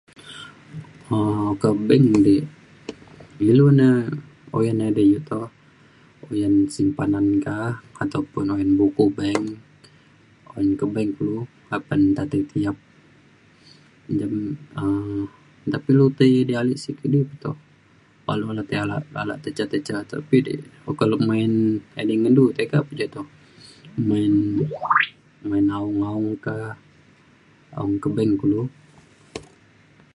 um ke bank di ilu na uyan edai iu toh uyan simpanan kah ataupun uyan buku bank oyan ke bank kulu apan nta tei tiyap jam um nta pa ilu tei edai ale sik kidi pe toh. baluk le tei alak te ca te ca tapi dik oka le main edai ngan du tega pe ja toh main main aong aong kah aong ke bank kulu.